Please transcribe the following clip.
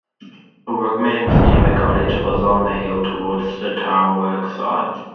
A workman's timber cottage was on the hill towards the tileworks' site.